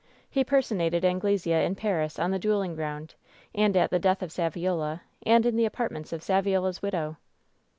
He personated Anglesea in Paris, on the dueling ground, and at the death of Saviola, and in the apartments of Saviola's widow